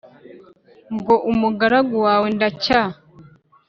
Ngo umugaragu wawe ndacya